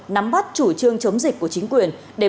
nắm bắt chủ trương chống dịch của chính quyền